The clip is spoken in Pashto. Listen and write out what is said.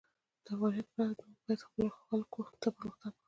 د افغانیت پرته، موږ باید خپلو خلکو ته پرمختګ ورکړو.